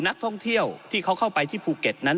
นักท่องเที่ยวที่เขาเข้าไปที่ภูเก็ตนั้น